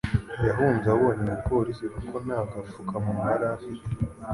Yahunze abonye umupolisi kuko naga fukamunwa yari afite